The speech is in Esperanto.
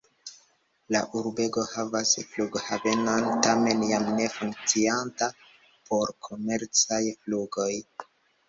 La urbego havas flughavenon, tamen jam ne funkcianta por komercaj flugoj.